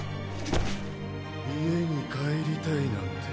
家に帰りたいなんて。